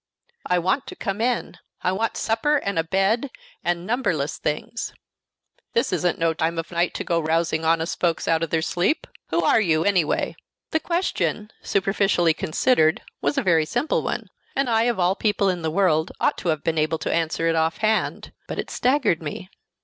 "I want to come in; I want a supper, and a bed, and numberless things." "This isn't no time of night to go rousing honest folks out of their sleep. Who are you, anyway?" The question, superficially considered, was a very simple one, and I, of all people in the world, ought to have been able to answer it off hand; but it staggered me.